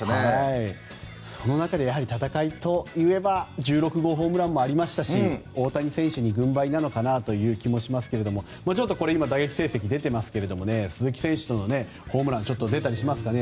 その中でやはり戦いといえば１６号ホームランもありましたし大谷選手に軍配なのかなという気もしますがちょっと打撃成績が出ていますが鈴木選手とのホームラン出たりしますかね。